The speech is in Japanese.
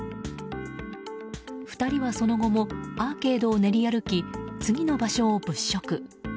２人はその後もアーケードを練り歩き次の場所を物色。